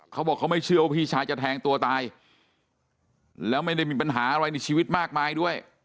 เขาบอกเขาไม่เชื่อว่าพี่ชายจะแทงตัวตายแล้วไม่ได้มีปัญหาอะไรในชีวิตมากมายด้วย